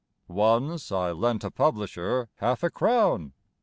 Once I lent a publisher half a crown.